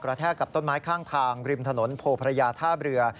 แทกกับต้นไม้ข้างทางริมถนนโพพระยาท่าเรือ